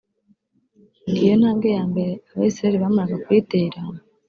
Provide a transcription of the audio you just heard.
Iyo ntambwe ya mbere Abayisiraheri bamaraga kuyitera